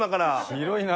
広いな。